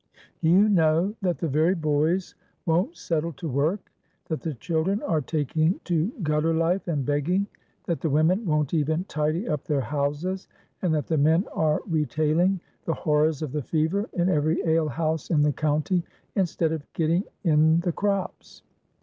Do you know that the very boys won't settle to work, that the children are taking to gutter life and begging, that the women won't even tidy up their houses, and that the men are retailing the horrors of the fever in every alehouse in the county, instead of getting in the crops?